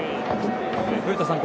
古田さん